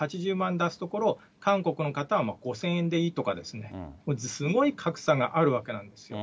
出すところ、韓国の方は５０００円でいいとかですね、すごい格差があるわけなんですよ。